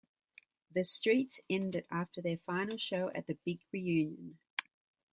The Streets ended after their final show at The Big Reunion.